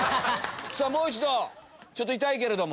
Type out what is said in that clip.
もう一度ちょっと痛いけれども。